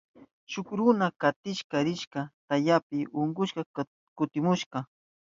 Shuk runa chakishka rishka tamyapi ukushka kutimushka.